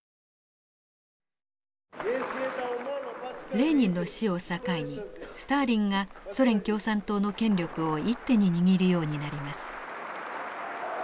レーニンの死を境にスターリンがソ連共産党の権力を一手に握るようになります。